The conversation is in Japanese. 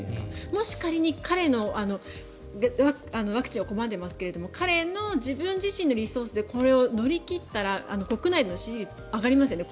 もし仮に彼のワクチンを拒んでいますけれど彼の自分自身のリソースでこれを乗り切ったら国内の支持率上がりますよね。